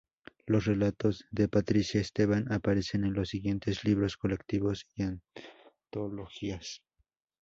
Los relatos de Patricia Esteban aparecen en los siguientes libros colectivos y antologías.